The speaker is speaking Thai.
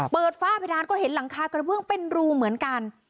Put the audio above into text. ฝ้าเพดานก็เห็นหลังคากระเบื้องเป็นรูเหมือนกัน